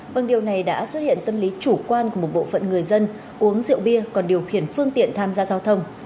vâng điều này đã xuất hiện tâm lý chủ quan của một bộ phận người dân uống rượu bia còn điều khiển phương tiện tham gia giao thông